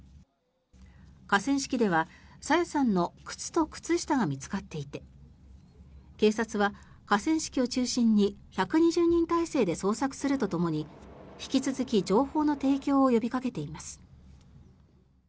河川敷では朝芽さんの靴と靴下が見つかっていて警察は、河川敷を中心に１２０人態勢で捜索するとともに引き続き情報の提供を呼びかけています。